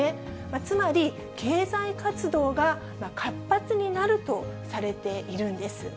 つまり、経済活動が活発になるとされているんです。